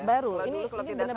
baru ini benar benar baru